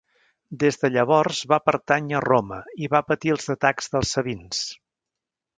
Des de llavors va pertànyer a Roma i va patir els atacs dels sabins.